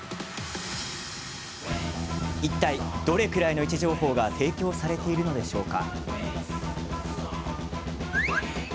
いったいどれくらいの位置情報が提供されているのでしょうか。